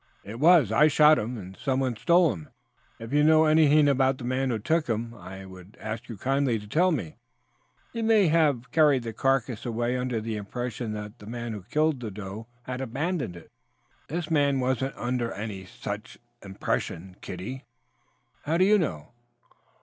"It was. I shot him and someone stole him. If you know anything about the man who took him, I would ask you kindly to tell me. He may have carried the carcass away under the impression that the man who killed the doe had abandoned it." "This man wasn't under any seech impression, kiddie." "How do you know?"